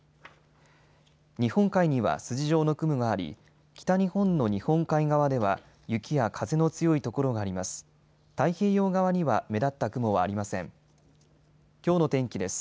日本海には筋状の雲があり北日本の日本海側では雪や風の強い所があります。